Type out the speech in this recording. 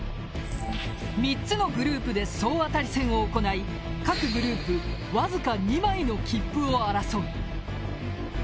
３つのグループで総当たり戦を行い各グループわずか２枚の切符を争う。